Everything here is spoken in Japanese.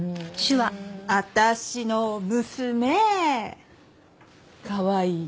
私の娘かわいい。